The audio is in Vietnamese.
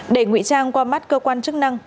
để nguyễn trang qua mắt cơ quan chức năng